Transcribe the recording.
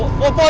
teh sateh sateh